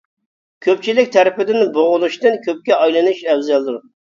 كۆپچىلىك تەرىپىدىن بوغۇلۇشتىن كۆپكە ئايلىنىش ئەۋزەلدۇر.